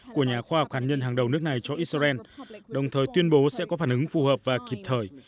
của nhà khoa học hạt nhân hàng đầu nước này cho israel đồng thời tuyên bố sẽ có phản ứng phù hợp và kịp thời